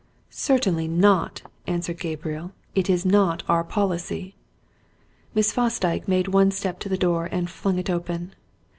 "Certainly not!" answered Gabriel. "It is not our policy." Miss Fosdyke made one step to the door and flung it open.